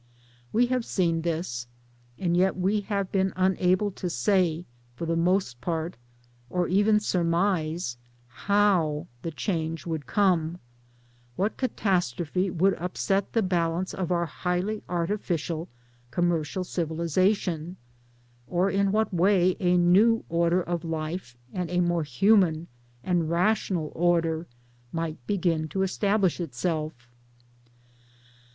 iWie have seen this ; and yet we have been unable to say, for the most part, or even surmise, tfiow the change would come, what catastrophe would upset the balance of our highly artificial Commercial' Civi lization, or in what way a new order of life, and a more human and rational order, might begin to establish itself.